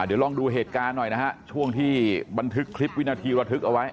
เดี๋ยวลองดูเหตุการณ์หน่อยนะฮะช่วงที่บันทึกคลิปวินาทีระทึกเอาไว้